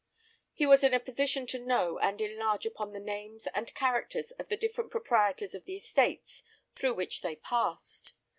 He was in a position to know and enlarge upon the names and characters of the different proprietors of the estates through which they passed.